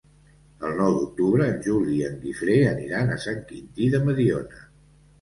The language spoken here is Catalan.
El nou d'octubre en Juli i en Guifré aniran a Sant Quintí de Mediona.